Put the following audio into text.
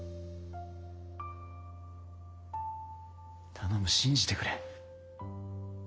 頼む信じてくれ。